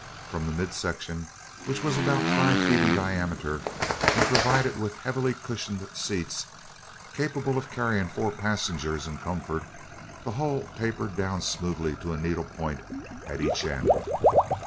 From the midsection, which was about five feet in diameter and provided with heavily cushioned seats capable of carrying four passengers in comfort, the hull tapered down smoothly to a needle point at each end.